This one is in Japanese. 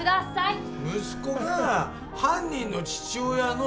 息子がさ犯人の父親の。